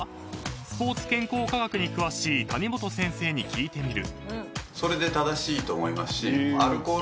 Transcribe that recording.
［スポーツ健康科学に詳しい谷本先生に聞いてみる］